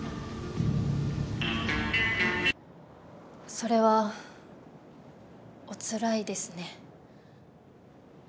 それはおつらいですね。